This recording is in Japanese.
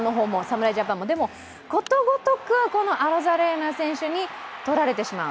でも、ことごとくアロザレーナ選手に取られてしまう。